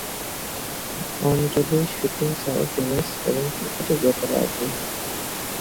অঞ্জলি shooting ছাড়াও tennis এবং ক্রিকেটের ব্যাপারে আগ্রহী।